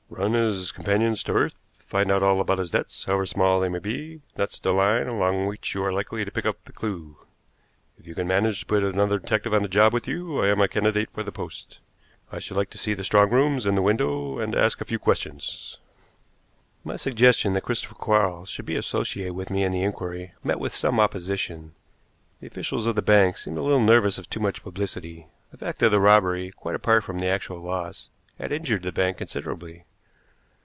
Run his companions to earth, find out all about his debts, however small they may be; that's the line along which you are likely to pick up the clew. If you can manage to put another detective on the job with you, I am a candidate for the post. I should like to see the strong rooms and the window, and to ask a few questions." My suggestion that Christopher Quarles should be associated with me in the inquiry met with some opposition. The officials of the bank seemed a little nervous of too much publicity. The fact of the robbery, quite apart from the actual loss, had injured the bank considerably.